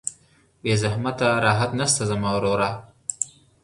بې زحمته راحت نسته زما وروره